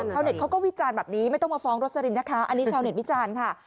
เน็ตเขาก็วิจารณ์แบบนี้ไม่ต้องมาฟ้องโรสลินนะคะอันนี้ชาวเน็ตวิจารณ์ค่ะ